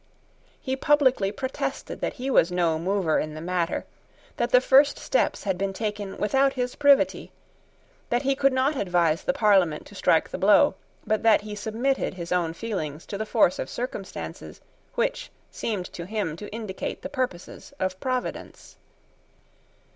He publicly protested that he was no mover in the matter, that the first steps had been taken without his privity, that he could not advise the Parliament to strike the blow, but that he submitted his own feelings to the force of circumstances which seemed to him to indicate the purposes of Providence.